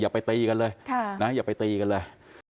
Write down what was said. อย่าไปตีกันเลยค่ะนะอย่าไปตีกันเลย